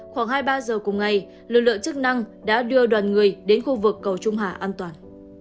khoảng hai mươi ba giờ cùng ngày lực lượng chức năng đã đưa đoàn người đến khu vực cầu trung hà an toàn